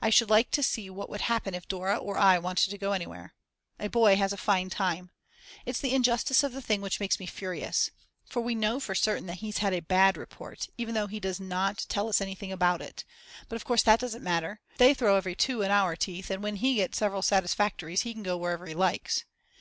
I should like to see what would happen if Dora or I wanted to go anywhere. A boy has a fine time. It's the injustice of the thing which makes me furious. For we know for certain that he's had a bad report, even though he does not tell us anything about it. But of course that doesn't matter. They throw every 2 in our teeth and when he gets several Satisfactories he can go wherever he likes.